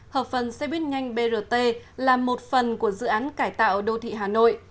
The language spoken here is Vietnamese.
hợp phần xe buýt nhanh brt là một phần của dự án cải tạo đô thị hà nội